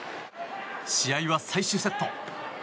試合は最終セット。